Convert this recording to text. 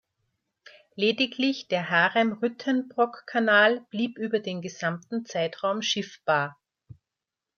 Lediglich der Haren-Rütenbrock-Kanal blieb über den gesamten Zeitraum schiffbar.